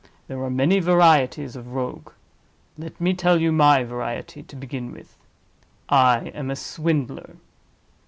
There are many varieties of Rogue; let me tell you my variety, to begin with. I am a Swindler."